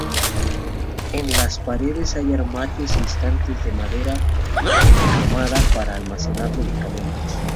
En las paredes hay armarios y estantes de madera policromada para almacenar medicamentos.